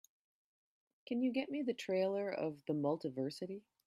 can you get me the trailer of The Multiversity?